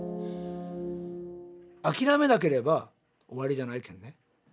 諦めなければ終わりじゃないけんね。